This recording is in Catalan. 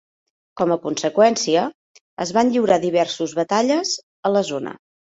Com a conseqüència, es van lliurar diverses batalles a la zona.